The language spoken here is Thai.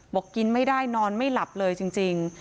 กินไม่ได้นอนไม่หลับเลยจริง